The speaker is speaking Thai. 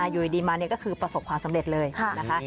อยู่ดีมาก็คือประสบความสำเร็จเลยนะคะ